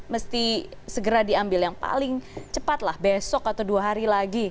mesti segera diambil yang paling cepat lah besok atau dua hari lagi